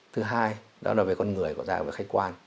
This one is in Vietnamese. thứ hai đó là về con người đó là về khách quan